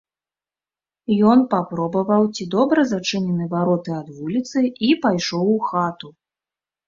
Ён папробаваў, ці добра зачынены вароты ад вуліцы, і пайшоў у хату.